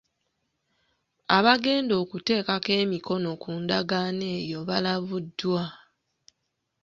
Abagenda okuteekako emikono ku ndagaano eyo balabuddwa.